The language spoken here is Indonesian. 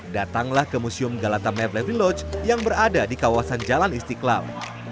datanglah ke museum galata mevlevi lodge yang berada di kawasan jalan istiklal